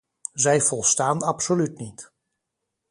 Zij volstaan absoluut niet.